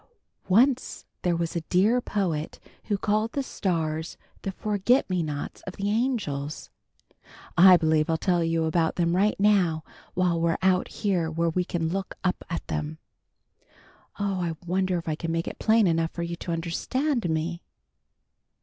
"Once there was a dear poet who called the stars 'the forget me nots of the angels.' I believe I'll tell you about them right now, while we're out here where we can look up at them. Oh, I wonder if I can make it plain enough for you to understand me!"